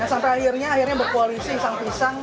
yang sampai akhirnya berkoalisi sang pisang